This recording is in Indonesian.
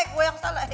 gue yang salah